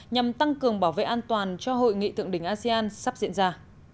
nhằm tăng cường bảo vệ an toàn cho hội nghị thượng đỉnh asean sắp diễn ra